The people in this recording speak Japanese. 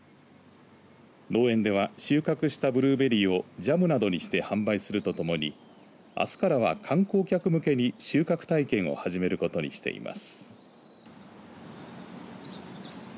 農園では収穫したブルーベリーをジャムなどにして販売するとともにあすからは観光客向けに収穫体験を始めることにしています。